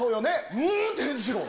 うんって返事しろ！